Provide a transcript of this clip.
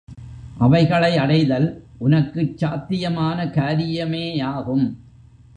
அவைகளை அடைதல் உனக்குச் சாத்தியமான காரியமேயாகும்.